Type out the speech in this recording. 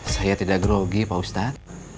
saya tidak grogi pak ustadz